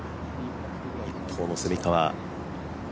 一方の蝉川。